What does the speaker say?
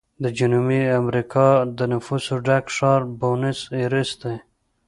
د جنوبي امریکا د نفوسو ډک ښار بونس ایرس دی.